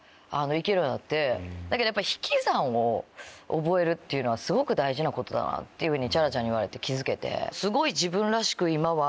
だけどやっぱ引き算を覚えるっていうのはすごく大事なことだなっていうふうにＣｈａｒａちゃんに言われて気付けてすごい。